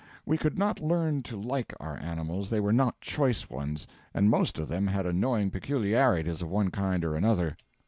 We could not learn to like our animals; they were not choice ones, and most of them had annoying peculiarities of one kind or another.